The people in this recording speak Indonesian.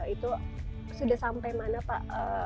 itu sudah sampai mana pak